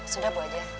sudah bu aja